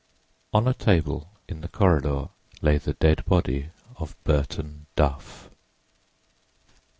On a table in the corridor lay the dead body of Burton Duff.